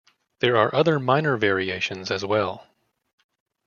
There are other minor variations as well.